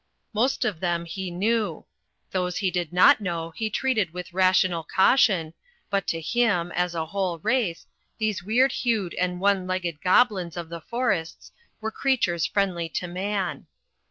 Most of them he knew; those he did not know he treated with rational cau tion, but to him, as a whole race, these weird hued and one legged goblins of the forests were creatures ^• friendly to man.